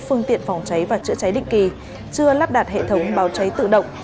phương tiện phòng cháy và chữa cháy định kỳ chưa lắp đặt hệ thống báo cháy tự động